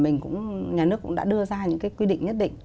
nhà nước cũng đã đưa ra những cái quy định nhất định